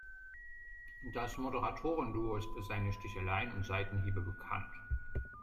Das Moderatoren-Duo ist für seine Sticheleien und Seitenhiebe bekannt.